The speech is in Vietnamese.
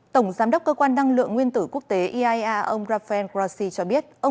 tổng giám đốc cơ quan năng lượng nguyên tử quốc tế iaea ông rafael grossi cho biết